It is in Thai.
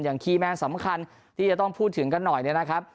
คีย์แมนสำคัญที่จะต้องพูดถึงกันหน่อยเนี่ยนะครับ